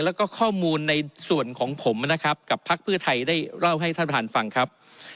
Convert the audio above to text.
แล้วก็ข้อมูลในส่วนของผมนะครับกับพักเพื่อไทยได้เล่าให้ท่านประธานฟังครับ